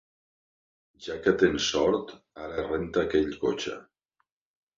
Ja que tens sort, ara renta aquell cotxe.